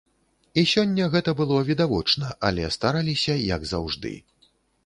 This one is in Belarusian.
І сёння гэта было відавочна, але стараліся, як заўжды.